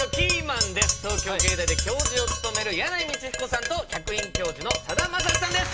東京藝大で教授を務める箭内道彦さんと客員教授のさだまさしさんです。